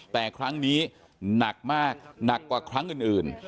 แต่ครั้งนี้หนักมากหนักกว่าครั้งอื่น